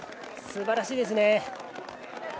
すばらしいですね。